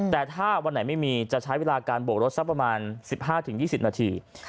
แต่ถ้าวันไหนไม่มีจะใช้เวลาการโบกรถสักประมาณ๑๕๒๐นาที